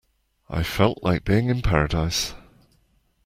I felt like being in paradise.